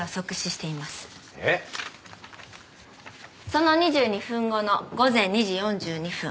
その２２分後の午前２時４２分。